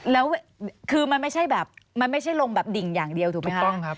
แล้วคือมันไม่ใช่ลงดิ่งอย่างเดียวถูกไหมคะ